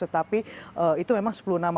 tetapi itu memang sepuluh nama